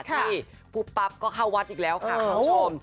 ที่ปุ๊บปั๊บก็เข้าวัดอีกแล้วค่ะคุณผู้ชม